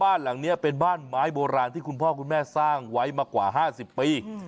บ้านหลังนี้เป็นบ้านไม้โบราณที่คุณพ่อคุณแม่สร้างไว้มากว่า๕๐ปี